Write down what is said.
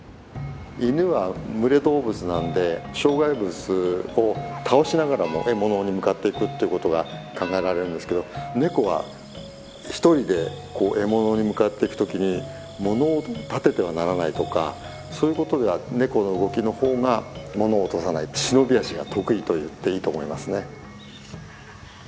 犬は群れ動物なんで障害物を倒しながらも獲物に向かっていくっていうことが考えられるんですけどネコは一人で獲物に向かっていく時に物音を立ててはならないとかそういうことではネコの動きの方が物を落とさない忍び足が得意と言っていいと思いますね。